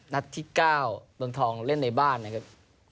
นัดที่๙เมืองทองเล่นในบ้านนะครับ